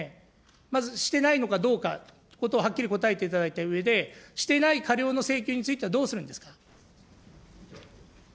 まずしてないのかどうかということをはっきり答えていただいて、していない過料の請求についてはどうするんですか。